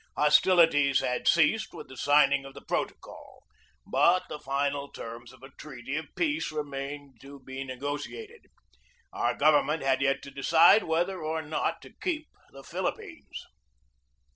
Hostilities had ceased with the signing of the protocol, but the final terms of a treaty of peace remained to be negotiated. Our govern ment had yet to decide whether or not to keep the Philippines.